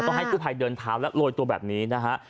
ต้องให้กู้ภัยเดินทางแล้วโรยตัวแบบนี้นะคะ